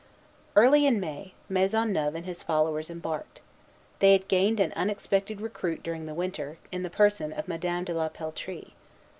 Early in May, Maisonneuve and his followers embarked. They had gained an unexpected recruit during the winter, in the person of Madame de la Peltrie.